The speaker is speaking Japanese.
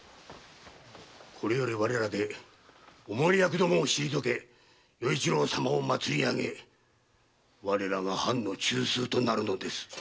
これより我らでお守り役どもを退け与一郎様を祭り上げ我らが藩の中枢となるのです。